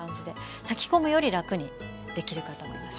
炊き込むより楽にできるかと思います。